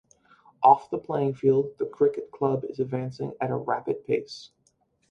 Off the playing field the cricket club is advancing at a rapid pace.